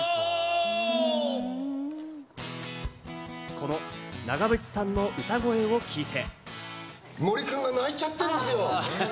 この長渕さんの歌声を聴いて。